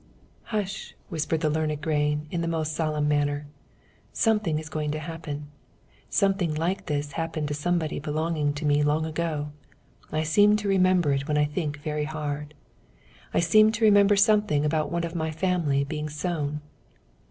"Hush!" whispered the learned grain, in the most solemn manner. "Something is going to happen. Something like this happened to somebody belonging to me long ago. I seem to remember it when I think very hard. I seem to remember something about one of my family being sown."